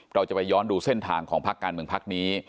เราจะไปย้อนดูเส้นทางของพักการเมืองพักนี้